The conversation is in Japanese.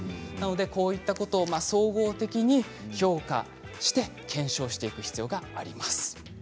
こういったことを総合的に評価して検証していく必要があります。